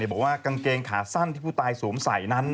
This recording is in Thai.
บอกว่ากางเกงขาสั้นที่ผู้ตายสวมใส่นั้น